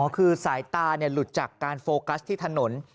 คือสายตาหลุดจากการโฟกัสที่ถนน